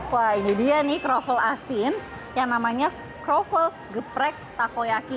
wah ini dia nih kroffel asin yang namanya kroffel geprek takoyaki